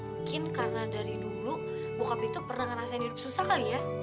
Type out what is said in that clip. mungkin karena dari dulu bokap itu pernah ngerasain hidup susah kali ya